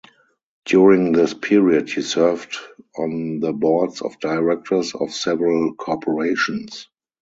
During this period, he served on the boards of directors of several corporations.